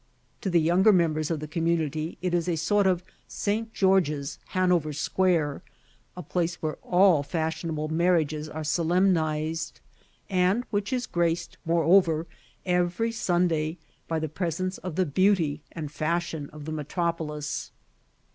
To the younger members of the community, it is a sort of St. George's, Hanover Square, a place where all fashionable marriages are solemnized, and which is graced, moreover, every Sunday by the presence of the beauty and fashion of the metropolis.